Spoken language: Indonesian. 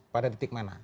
pada titik mana